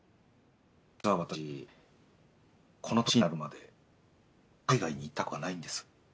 実は私この年になるまで海外に行ったことがないんです。